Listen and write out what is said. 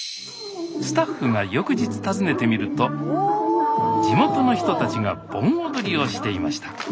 スタッフが翌日訪ねてみると地元の人たちが盆踊りをしていました。